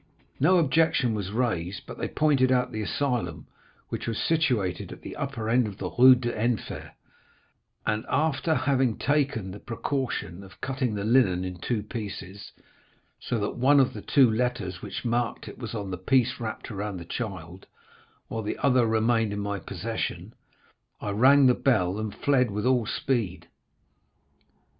No objection was raised, but they pointed out the asylum, which was situated at the upper end of the Rue d'Enfer, and after having taken the precaution of cutting the linen in two pieces, so that one of the two letters which marked it was on the piece wrapped around the child, while the other remained in my possession, I rang the bell, and fled with all speed.